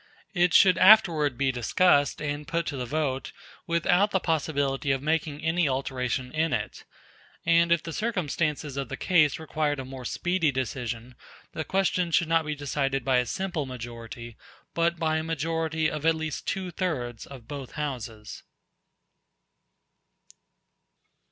It should afterward be discussed and put to the vote without the possibility of making any alteration in it; and if the circumstances of the case required a more speedy decision, the question should not be decided by a simple majority, but by a majority of at least two thirds of both houses."